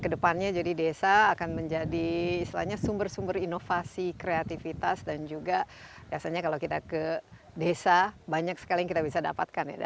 kedepannya jadi desa akan menjadi istilahnya sumber sumber inovasi kreativitas dan juga biasanya kalau kita ke desa banyak sekali yang kita bisa dapatkan